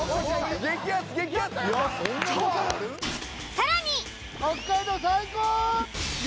［さらに！］